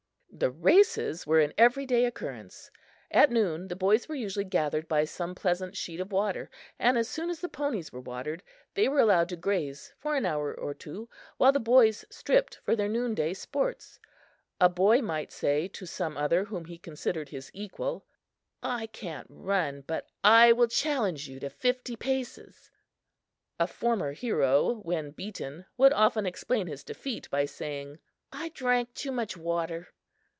The races were an every day occurrence. At noon the boys were usually gathered by some pleasant sheet of water and as soon as the ponies were watered, they were allowed to graze for an hour or two, while the boys stripped for their noonday sports. A boy might say to some other whom he considered his equal: "I can't run; but I will challenge you to fifty paces." A former hero, when beaten, would often explain his defeat by saying: "I drank too much water."